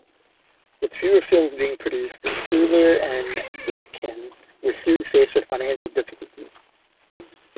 With fewer films being produced, Freuler and Aitken were soon faced with financial difficulties.